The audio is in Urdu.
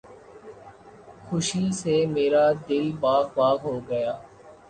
خوشی سے میرا دل باغ باغ ہو گیا